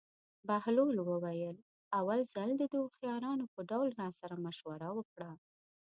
بهلول وویل: اول ځل دې د هوښیارانو په ډول راسره مشوره وکړه.